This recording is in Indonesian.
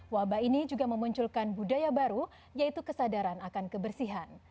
wabah ini juga memunculkan budaya baru yaitu kesadaran akan kebersihan